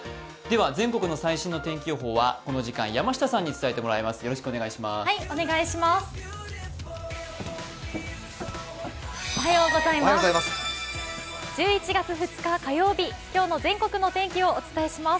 全国の最新の天気予報はこの時間、山下さんに伝えてもらいます。